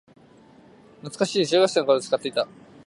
懐かしい、中学生の頃に使ってた